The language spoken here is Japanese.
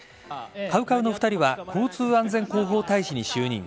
ＣＯＷＣＯＷの２人は交通安全広報大使に就任。